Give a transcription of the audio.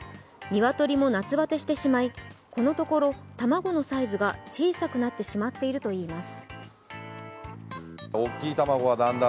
鶏も夏バテしてしまい、このところ、卵のサイズが小さくなってしまっているといいます。